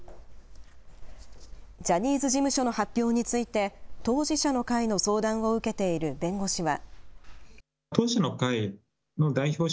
ジャニーズ事務所の発表について、当事者の会の相談を受けている弁護士は。